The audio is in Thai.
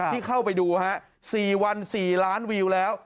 ที่เข้าไปดูฮะ๔วัน๔ล้านวิวแล้ว